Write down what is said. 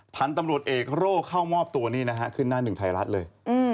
พันธุ์ตำรวจเอกโร่เข้ามอบตัวนี่นะฮะขึ้นหน้าหนึ่งไทยรัฐเลย